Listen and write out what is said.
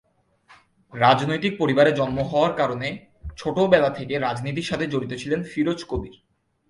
রাজনৈতিক পরিবারে জন্ম হওয়ার কারণে ছোট বেলা থেকে রাজনীতির সাথে জড়িত ছিলেন ফিরোজ কবির।